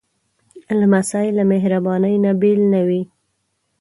لمسی له مهربانۍ نه بېل نه وي.